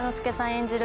演じる